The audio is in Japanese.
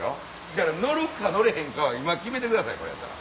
だから乗るか乗れへんかは今決めてくださいそれやったら。